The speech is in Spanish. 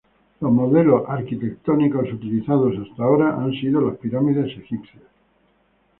Los modelos arquitectónicos utilizados hasta ahora han sido las pirámides egipcias.